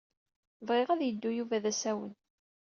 Bɣiɣ ad yeddu Yuba d asawen.